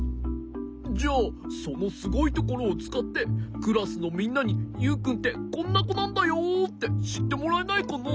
じゃあそのすごいところをつかってクラスのみんなにユウくんってこんなこなんだよってしってもらえないかな？